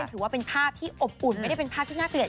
ถือว่าเป็นภาพที่อบอุ่นไม่ได้เป็นภาพที่น่าเกลีย